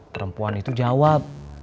perempuan itu jawab